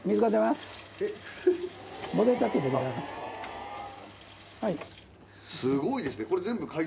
すごいですね！